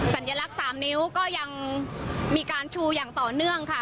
สัญลักษณ์๓นิ้วก็ยังมีการชูอย่างต่อเนื่องค่ะ